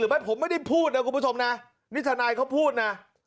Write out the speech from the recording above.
ไม่ผมไม่ได้พูดนะคุณผู้ชมนะนี่ทนายเขาพูดนะ